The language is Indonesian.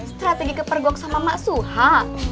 strategi kepergok sama mak suha